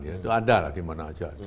itu ada lah di mana saja